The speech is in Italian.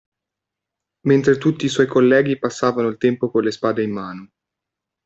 Mentre tutti i suoi colleghi passavano il tempo con le spade in mano.